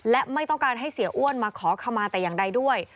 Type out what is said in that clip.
และไม่ต้องการให้เสียอ้วนมาขอขมาแต่อย่างใดด้วย